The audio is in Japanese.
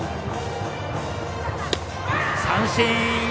三振！